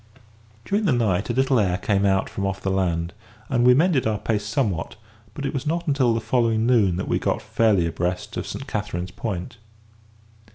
During the night a little air came out from off the land, and we mended our pace somewhat; but it was not until the following noon that we got fairly abreast of Saint Catherine's Point.